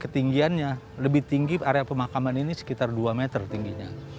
ketinggiannya lebih tinggi area pemakaman ini sekitar dua meter tingginya